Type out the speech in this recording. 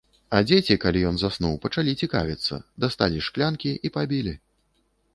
А дзеці, калі ён заснуў, пачалі цікавіцца, дасталі з шклянкі і пабілі.